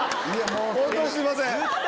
本当にすいません！